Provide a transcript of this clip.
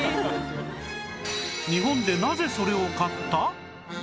日本でなぜそれを買った！？